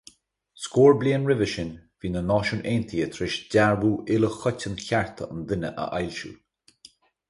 Scór bliain roimhe sin, bhí na Náisiúin Aontaithe tar éis Dearbhú Uilechoiteann Chearta an Duine a fhoilsiú.